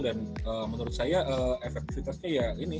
dan menurut saya efektifitasnya ya ini